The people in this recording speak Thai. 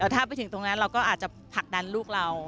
ถ้าไปถึงตรงนั้นเราก็อาจจะผลักดันลูกเรา